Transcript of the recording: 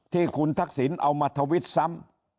ที่คุณทักษิณเอามาทวิตซ้ำ